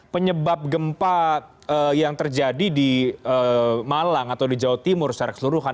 penyebab gempa yang terjadi di malang atau di jawa timur secara keseluruhan